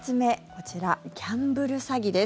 こちら、ギャンブル詐欺です。